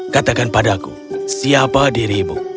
katakan padaku siapa dirimu